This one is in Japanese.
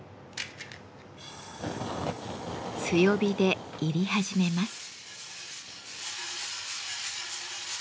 強火で煎り始めます。